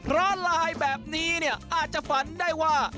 ร้านไลน์แบบนี้อาจจะฝันได้ว่า